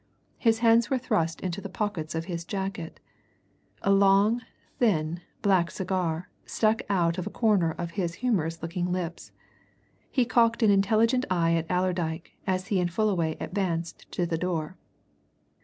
His hands were thrust into the pockets of his jacket; a long, thin, black cigar stuck out of a corner of his humorous looking lips; he cocked an intelligent eye at Allerdyke as he and Fullaway advanced to the door.